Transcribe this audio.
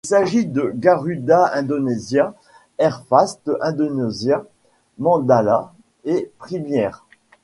Il s'agit de Garuda Indonesia, Airfast Indonesia, Mandala et Premiair.